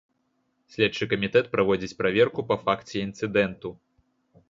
Следчы камітэт праводзіць праверку па факце інцыдэнту.